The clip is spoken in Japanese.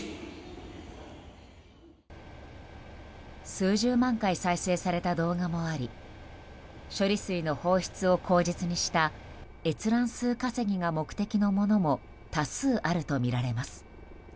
数十万回再生された動画もあり処理水の放出を口実にした閲覧数稼ぎが目的のものも多数あるとみられます。